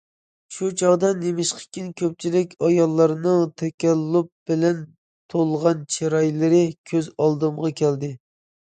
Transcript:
شۇ چاغدا نېمىشقىكىن كۆپچىلىك ئاياللارنىڭ تەكەللۇپ بىلەن تولغان چىرايلىرى كۆز ئالدىمغا كەلدى.